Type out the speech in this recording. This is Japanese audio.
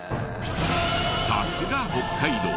さすが北海道。